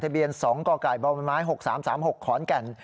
เบียน๒กกบม๖๓๓๖ขอนแก่น